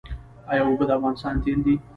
آیا اوبه د افغانستان تیل دي؟